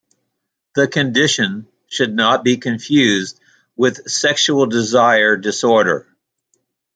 The condition should not be confused with a sexual desire disorder.